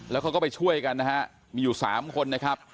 แล้วเขาก็ไปช่วยกันนะฮะมีอยู่๓คนนะครับ